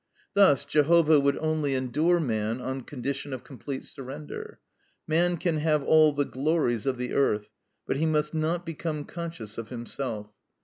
Thus Jehovah would only endure man on condition of complete surrender. Man can have all the glories of the earth, but he must not become conscious of himself.